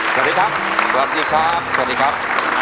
สวัสดีครับ